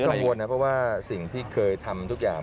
กังวลนะเพราะว่าสิ่งที่เคยทำทุกอย่าง